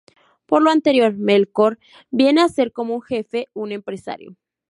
Por lo anterior Melkor viene a ser como un jefe, un empresario.